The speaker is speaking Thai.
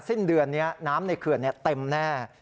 สิ้นเดือนนี้น้ำในเขื่อนเต็มแน่